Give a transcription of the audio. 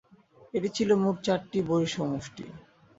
এটি ছিলো মোট চারটি বইয়ের সমষ্টি।